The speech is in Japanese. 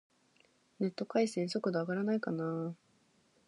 ネット回線、速度上がらないかな